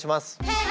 はい！